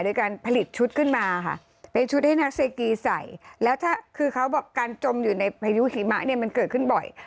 โดยการผลิตชุดขึ้นมาค่ะเป็นชุดให้นักเซกีใส่แล้วถ้าคือเขาบอกการจมอยู่ในพายุหิมะเนี่ยมันเกิดขึ้นบ่อย